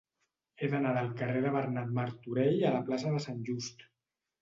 He d'anar del carrer de Bernat Martorell a la plaça de Sant Just.